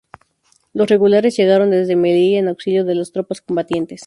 Los Regulares llegaron desde Melilla en auxilio de las tropas combatientes.